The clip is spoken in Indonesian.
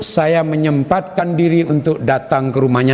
saya menyempatkan diri untuk datang ke rumahnya